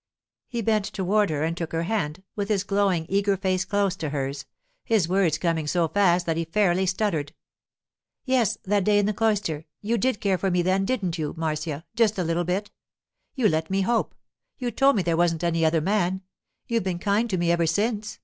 He bent toward her and took her hand, with his glowing, eager face close to hers, his words coming so fast that he fairly stuttered. 'Yes, that day in the cloister. You did care for me then, didn't you, Marcia—just a little bit? You let me hope—you told me there wasn't any other man—you've been kind to me ever since.